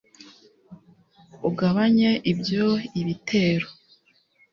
ugabanye ibyo ibitero